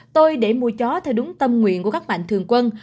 tôi để mua chó theo đúng tâm nguyện của các mạnh thường quân